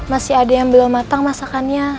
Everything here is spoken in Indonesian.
masih ada yang belum matang masakannya